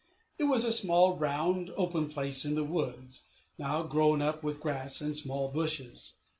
It was a small, round, open place in the woods, now grown up with grass and small bushes.